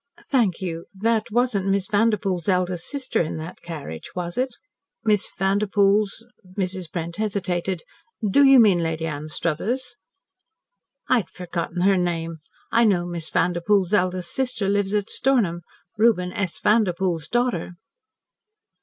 "Thank you. That wasn't Miss Vanderpoel's eldest sister in that carriage, was it?" "Miss Vanderpoel's " Mrs. Brent hesitated. "Do you mean Lady Anstruthers?" "I'd forgotten her name. I know Miss Vanderpoel's eldest sister lives at Stornham Reuben S. Vanderpoel's daughter."